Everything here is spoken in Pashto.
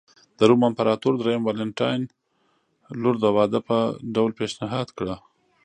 د روم امپراتور درېیم والنټیناین لور د واده په ډول پېشنهاد کړه